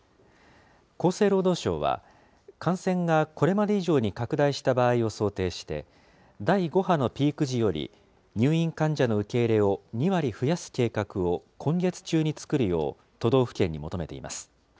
厚生労働省は、感染がこれまで以上に拡大した場合を想定して第５波のピーク時より入院患者の受け入れを２割増やす計画を今月中に作るよう、都道府県に求めています。